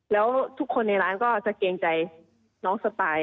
แล้วทุกคนในร้านก็จะเกรงใจน้องสปาย